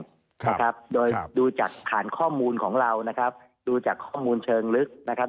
นะครับโดยดูจากฐานข้อมูลของเรานะครับดูจากข้อมูลเชิงลึกนะครับ